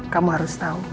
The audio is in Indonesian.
kamu harus tau